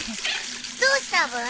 どうしたブー？